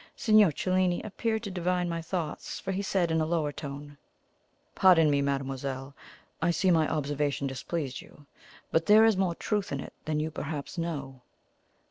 Signor Cellini appeared to divine my thoughts, for he said in a lower tone: "Pardon me, mademoiselle; I see my observation displeased you; but there is more truth in it than you perhaps know."